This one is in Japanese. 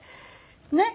ねっ？